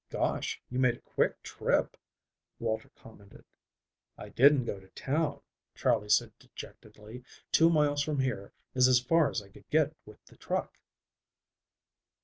"Gosh, you made a quick trip," Walter commented. "I didn't go to town," Charley said dejectedly. "Two miles from here is as far as I could get with the truck."